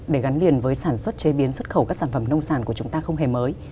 để gắn liền với sản xuất chế biến xuất khẩu các sản phẩm nông sản của chúng ta không hề mới